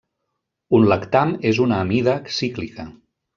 Un lactam és una amida cíclica.